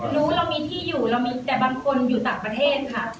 รู้เรามีที่อยู่เรามีแต่บางคนอยู่ต่างประเทศค่ะ